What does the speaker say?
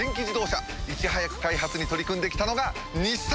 いち早く開発に取り組んで来たのが日産！